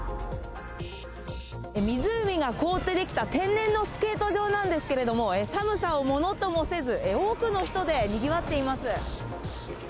湖が凍って出来た天然のスケート場なんですけれども、寒さをものともせず、多くの人でにぎわっています。